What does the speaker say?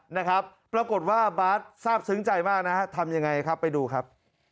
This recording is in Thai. บาทปรากฏทร์ทราบซึ้งใจมากทำยังไงไปดูครับ